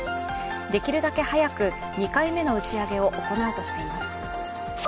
できるだけ早く２回目の打ち上げを行うとしています。